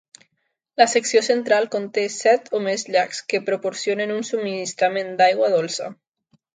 La secció central conté set o més llacs, que proporcionen un subministrament d'aigua dolça.